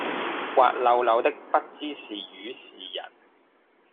滑溜溜的不知是魚是人，